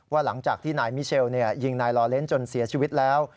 หลังจากที่นายมิเชลยิงนายลอเล้นจนเสียชีวิตแล้ว